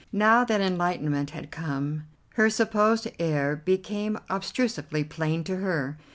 Now that enlightenment had come, her supposed error became obtrusively plain to her.